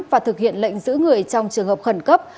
và thực hiện lệnh giữ người trong trường hợp khẩn cấp